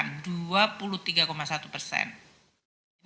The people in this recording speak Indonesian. ini karena tahun dua ribu dua puluh empat memang ada keuntungan